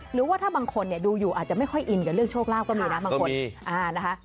หรือว่าถ้าบางคนดูอยู่อาจจะไม่ค่อยอินกับเรื่องโชคลาภก็มีนะบางคนนะคะ